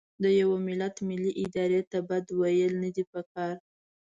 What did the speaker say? د یوه ملت ملي ارادې ته بد ویل نه دي پکار.